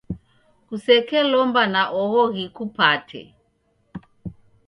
kusekelomba na oho ghikupate.